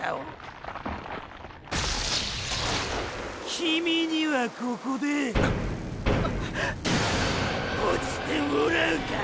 キミにはここで落ちてもらうから！